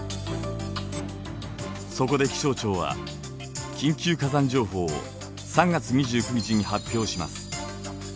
そこで気象庁は緊急火山情報を３月２９日に発表します。